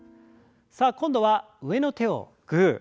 さあ今度は上の手をグー。